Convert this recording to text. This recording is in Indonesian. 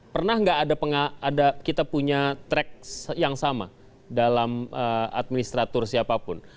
pernah nggak ada kita punya track yang sama dalam administrator siapapun